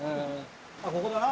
ここだな。